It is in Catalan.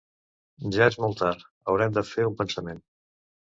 Ja és molt tard: haurem de fer un pensament.